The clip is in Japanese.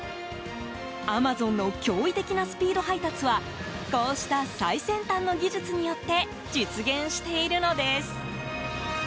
アマゾンの驚異的なスピード配達はこうした最先端の技術によって実現しているのです。